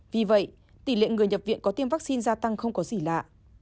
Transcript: vì vậy tỷ lệ người nhập viện có tiêm vaccine gia tăng không có gì lạ